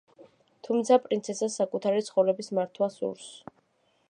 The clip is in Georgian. თუმცა პრინცესას საკუთარი ცხოვრების მართვა სურს.